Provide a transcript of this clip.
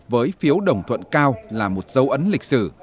với phiếu đồng thuận cao là một dấu ấn lịch sử